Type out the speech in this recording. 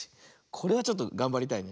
これはちょっとがんばりたい。